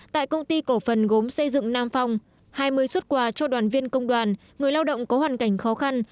tại công ty cổ phần gốm xây dựng nam phong hai mươi xuất quà cho đoàn viên công đoàn người lao động có hoàn cảnh khó khăn